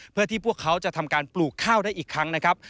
เพื่อที่พวกเขาจะทำการปลูกข้าวได้อีกครั้งนะครับ